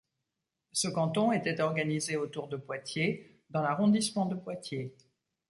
Ce canton était organisé autour de Poitiers dans l'arrondissement de Poitiers.